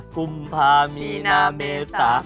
คุ้มภามีนาเมซา